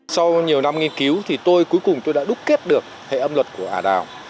sau nhiều năm nghiên cứu thì tôi cuối cùng tôi đã đúc kết được hệ âm luật của ả đào